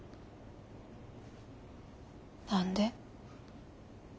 何で？